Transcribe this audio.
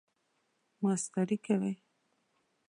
ماسټری کوئ؟